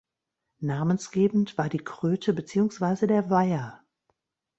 Namensgebend war die Kröte beziehungsweise der Weiher.